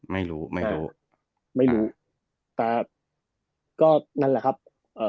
ไม่รู้ไม่รู้แต่ก็นั่นแหละครับเอ่อ